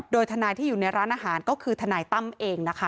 โดยทนายที่อยู่ในร้านอาหารก็คือทนายตั้มเองนะคะ